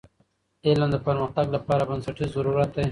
علم د پرمختګ لپاره بنسټیز ضرورت دی.